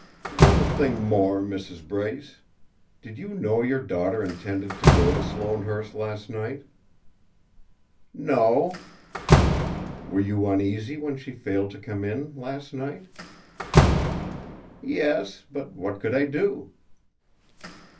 "One thing more, Mrs. Brace: did you know your daughter intended to go to Sloanehurst last night?" "No." "Were you uneasy when she failed to come in last night?" "Yes; but what could I do?"